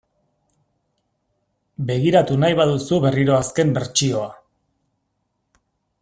Begiratu nahi baduzu berriro azken bertsioa .